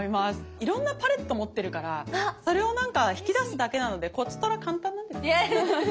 いろんなパレット持ってるからそれをなんか引き出すだけなのでこちとら簡単なんです。